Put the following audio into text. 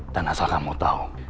dan asal kamu tau